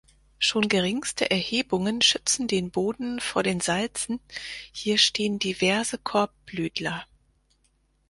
Schon geringste Erhebungen schützen den Boden vor den Salzen, hier stehen diverse Korbblütler.